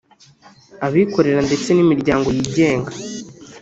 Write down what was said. abikorera ndetse n’imiryango yigenga